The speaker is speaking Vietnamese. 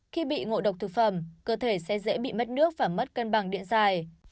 khi bị ngộ độc thực phẩm cơ thể sẽ dễ bị mất nước và mất cân bằng điện dài